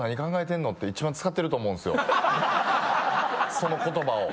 その言葉を。